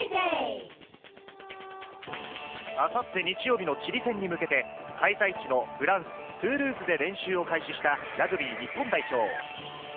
あさって日曜日のチリ戦に向けて、開催地のフランス・トゥールーズで練習を開始したラグビー日本代表。